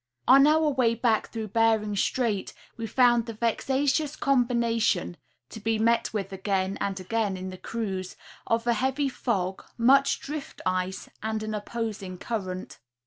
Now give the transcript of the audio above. On our way back through Bering strait we found the vexa tious combination (to be met with again and again in the cruise) of a heavy fog, much drift ice, and an opposing current.